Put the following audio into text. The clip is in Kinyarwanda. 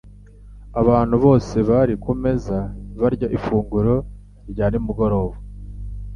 Abantu bose bari kumeza barya ifunguro rya nimugoroba.